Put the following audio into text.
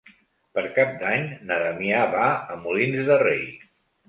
Per Cap d'Any na Damià va a Molins de Rei.